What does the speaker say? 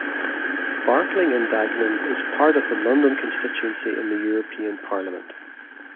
Barkling and Dagenham is part of the London constituency in the European Parliament.